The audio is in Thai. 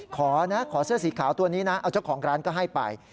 ขอนะขอเสื้อสีขาวตัวนี้นะเอาเจ้าของร้านก็ให้ไป